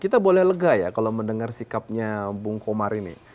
kita boleh lega ya kalau mendengar sikapnya bung komar ini